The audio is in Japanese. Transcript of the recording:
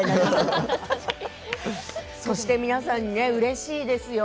そして、皆さんうれしいですよ。